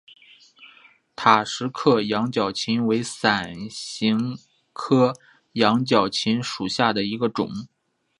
塔什克羊角芹为伞形科羊角芹属下的一个种。